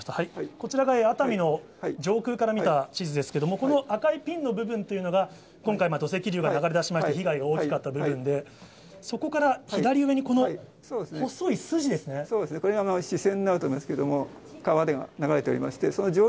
こちらが熱海の上空から見た地図ですけれども、この赤いピンの部分というのが、今回、土石流が流れ出しました、被害が大きかった部分で、そこから左上そうですね、これがしせんになると思うんですけれども。